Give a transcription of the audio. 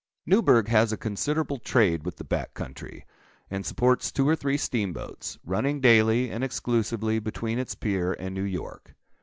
Newburgh has a considerable trade with the back country, and supports two or three steam boats, running daily and exclusively between its pier and New York.